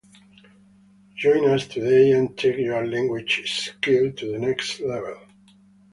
Join us today and take your language skills to the next level!